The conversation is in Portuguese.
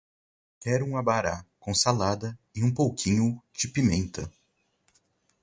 Quero um abará com salada e um pouquinho de pimenta